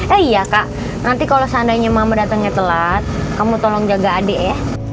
eh iya kak nanti kalau seandainya mama datangnya telat kamu tolong jaga adik ya